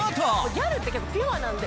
ギャルって結構ピュアなんで。